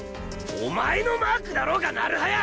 お前のマークだろうが成早！